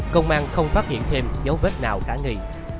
công an không phát hiện thêm dấu vết nào đã nghi